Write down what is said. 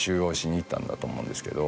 んだと思うんですけど。